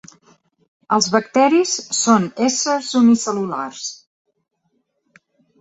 Els bacteris són éssers unicel·lulars.